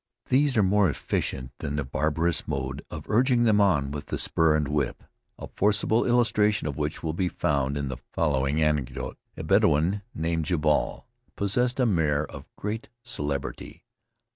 These are more efficient than the barbarous mode of urging them on with the spur and whip, a forcible illustration of which will be found in the following anecdote. A Bedouin, named Jabal, possessed a mare of great celebrity.